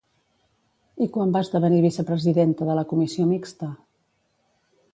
I quan va esdevenir vicepresidenta de la Comissió Mixta?